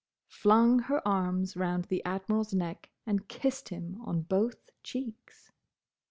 flung her arms round the Admiral's neck and kissed him on both cheeks.